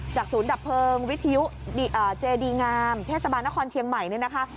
เจดีงามเทศบาลนครเชียงใหม่นี่นะคะ